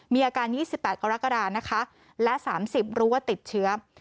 มีอาการ๒๘กรกฎานะคะและ๓๐รู้ว่าติดเชื้อ